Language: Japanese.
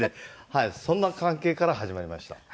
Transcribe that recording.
そんな関係から始まりました。